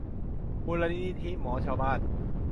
มูลนิธิหมอชาวบ้าน